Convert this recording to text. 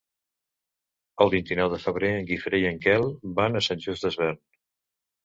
El vint-i-nou de febrer en Guifré i en Quel van a Sant Just Desvern.